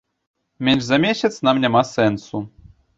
Менш за месяц нам няма сэнсу.